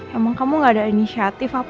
emang kamu gak ada inisiatif apa